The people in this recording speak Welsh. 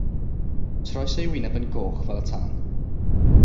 Troes ei wyneb yn goch fel y tân.